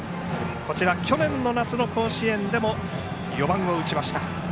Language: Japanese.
去年夏の甲子園でも４番を打ちました。